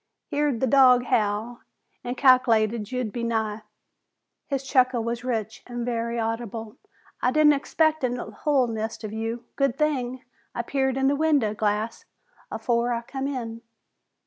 Heerd the dog howl an' calc'lated you'd be nigh." His chuckle was rich and very audible. "I didn't expect a hul nest of you. Good thing I peered in the window glass afore I come in."